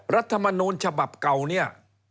รัฐมนูญฉบับเก่านี้